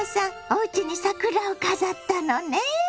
おうちに桜を飾ったのね。